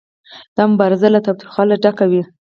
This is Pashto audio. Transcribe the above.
دا مبارزه له تاوتریخوالي ډکه وي